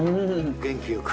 元気よく。